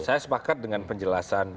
saya sepakat dengan penjelasan